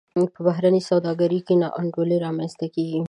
په بهرنۍ سوداګرۍ کې نا انډولي رامنځته کیږي.